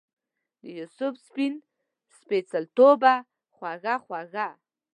دیوسف سپین سپیڅلتوبه خوږه خوږه